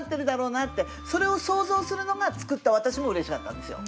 それを想像するのが作った私もうれしかったんですよ。